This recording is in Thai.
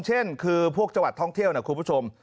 เช่นคือพวกจังหวัดท่องเที่ยวนะคุณผู้ชม